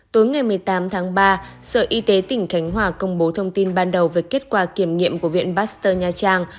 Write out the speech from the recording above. tối ngày một mươi tám tháng ba sở y tế tỉnh khánh hòa công bố thông tin ban đầu về kết quả kiểm nghiệm của viện pasteur nha trang